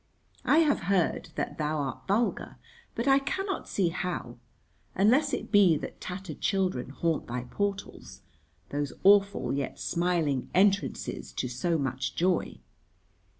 I have heard that thou art vulgar, but I cannot see how, unless it be that tattered children haunt thy portals, those awful yet smiling entrances to so much joy.